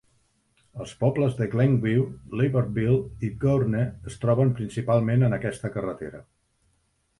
Els pobles de Glenview, Libertyville, i Gurnee es troben principalment en aquesta carretera.